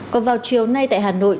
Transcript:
còn vào chiều nay tại hà nội